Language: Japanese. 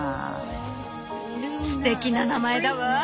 すてきな名前だわ。